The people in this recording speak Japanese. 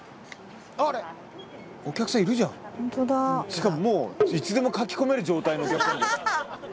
しかももういつでも書き込める状態のお客さんじゃん。